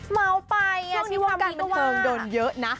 เม้าไปชีวิตการประเทิงโดนเยอะนะ